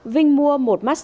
vinh mua một mastercard